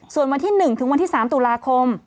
ส่วนวันที่๑ถึงวันที่๓ตุลาคม